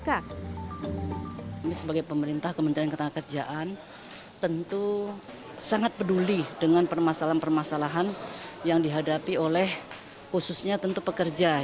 kami sebagai pemerintah kementerian ketenagakerjaan tentu sangat peduli dengan permasalahan permasalahan yang dihadapi oleh khususnya tentu pekerja